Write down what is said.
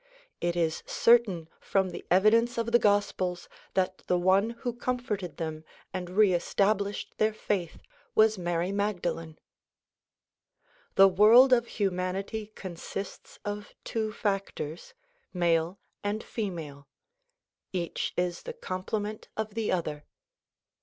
It is certain from the evi dence of the gospels that the one who comforted them and re es tablished their faith was Mary Magdalene. The world of humanity consists of two factors, male and female. Each is the complement of the other.